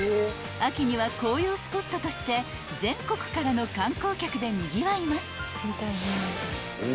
［秋には紅葉スポットとして全国からの観光客でにぎわいます］